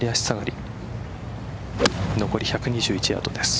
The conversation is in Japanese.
残り１２１ヤードです。